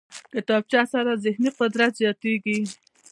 کتابچه سره ذهني قدرت زیاتېږي